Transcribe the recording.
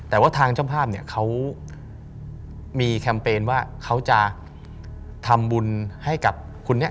แต่ว่าทางเจ้าภาพเนี่ยเขามีแคมเปญว่าเขาจะทำบุญให้กับคุณเนี่ย